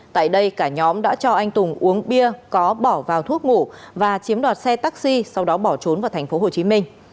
tại đây cả nhóm đã cho anh tùng uống bia có bỏ vào thuốc ngủ và chiếm đoạt xe taxi sau đó bỏ trốn vào thành phố hồ chí minh